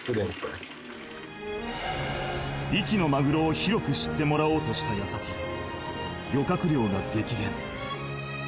［壱岐のマグロを広く知ってもらおうとした矢先漁獲量が激減］